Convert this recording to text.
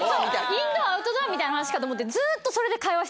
インドアアウトドアみたいな話かと思って。